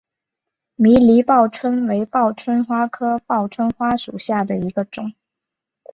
迷离报春为报春花科报春花属下的一个种。